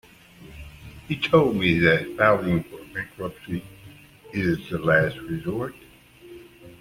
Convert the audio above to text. He told me that filing for bankruptcy is the last resort.